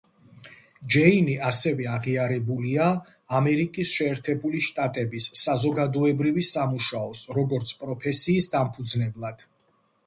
ჯეინი ასევე აღიარებულია ამერიკის შეერთებული შტატების საზოგადოებრივი სამუშაოს, როგორც პროფესიის დამფუძნებლად.